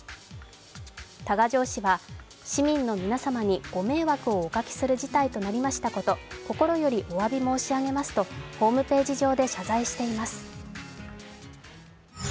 多賀城市は市民の皆様にご迷惑をおかけする事態となりましたこと、心よりおわび申し上げますとホームページ上で、謝罪しています。